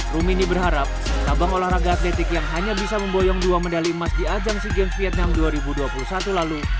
rumini berharap tabang olahraga atletik yang hanya bisa memboyong dua medali emas di ajang sea games vietnam dua ribu dua puluh satu lalu